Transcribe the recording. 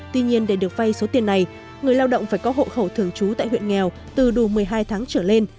tuy nhiên để được phay số tiền này người lao động phải có hộ khẩu thường trú tại huyện nghèo từ đủ một mươi hai tháng trở lên